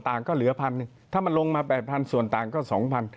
ถ้ามันลงมา๘๐๐๐บาทส่วนต่างก็๒๐๐๐บาท